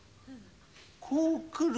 こうくる。